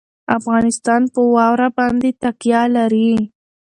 افغانستان په واوره باندې تکیه لري.